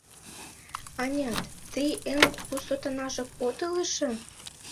Анят, тый эн кугу сотанажак отыл эше?»